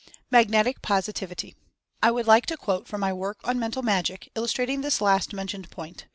MAGNETIC POSITIVITY. I would like to quote from my work on "Mental Magic," illustrating this last mentioned point.